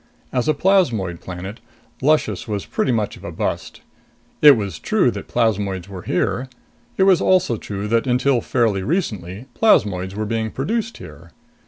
As a plasmoid planet, Luscious was pretty much of a bust. It was true that plasmoids were here. It was also true that until fairly recently plasmoids were being produced here.